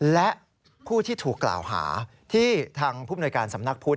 และผู้ที่ถูกกล่าวหาที่ทางผู้มนวยการสำนักพุทธ